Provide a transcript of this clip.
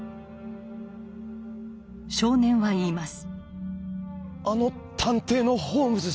少年は言います。